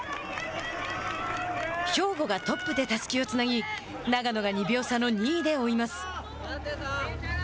兵庫がトップでたすきをつなぎ長野が２秒差の２位で追います。